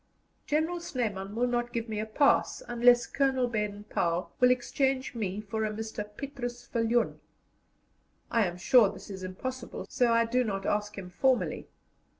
General Snyman will not give me a pass unless Colonel Baden Powell will exchange me for a Mr. Petrus Viljoen. I am sure this is impossible, so I do not ask him formally.